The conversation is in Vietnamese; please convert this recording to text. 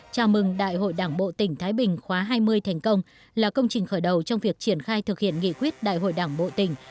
chào mừng đại hội đảng bộ tỉnh thái bình khóa hai mươi thành công là công trình khởi đầu trong việc triển khai thực hiện nghị quyết đại hội đảng bộ tỉnh